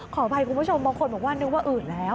ขออภัยคุณผู้ชมบางคนบอกว่านึกว่าอืดแล้ว